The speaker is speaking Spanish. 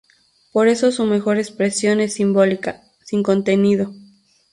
Por eso su mejor expresión es simbólica, sin contenido.